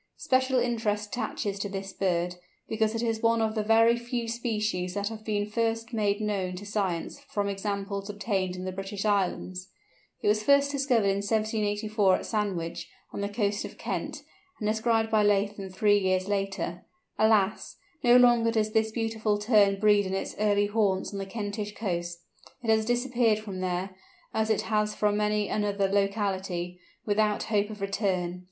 Special interest attaches to this bird, because it is one of the very few species that have been first made known to science from examples obtained in the British Islands. It was first discovered in 1784, at Sandwich, on the coast of Kent, and described by Latham three years later. Alas! no longer does this beautiful Tern breed in its early haunts on the Kentish coast; it has disappeared from there, as it has from many another locality, without hope of return.